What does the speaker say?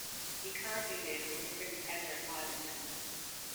He currently lives in Prince Edward Island.